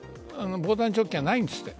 防弾チョッキがないんですって。